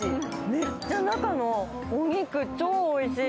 めっちゃ中のお肉、超おいしい。